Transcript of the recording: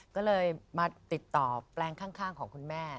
ก็เลยมาติดต่อแปลงข้างของคุณแม่